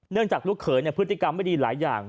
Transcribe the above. จากลูกเขยพฤติกรรมไม่ดีหลายอย่าง